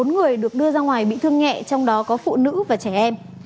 bốn người được đưa ra ngoài bị thương nhẹ trong đó có phụ nữ và trẻ em